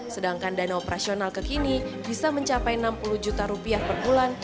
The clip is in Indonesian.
sedangkan dana operasional kekini bisa mencapai enam puluh juta rupiah per bulan